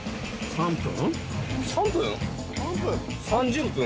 ３分？